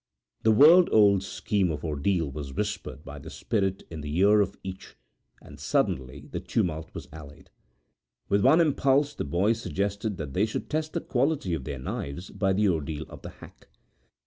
The world old scheme of ordeal was whispered by the spirit in the ear of each, and suddenly the tumult was allayed. With one impulse the boys suggested that they should test the quality of their knives by the ordeal of the Hack.